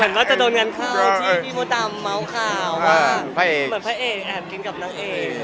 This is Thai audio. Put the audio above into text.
ว่าจะโดนเงินเข้าที่พี่มดดำเมาส์ข่าวว่าเหมือนพระเอกแอบกินกับนางเอก